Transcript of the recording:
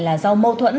là do mâu thuẫn